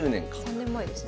３年前ですね。